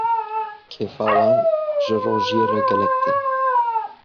kêfa wan jî rojiyê gelek tê.